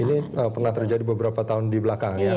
ini pernah terjadi beberapa tahun di belakang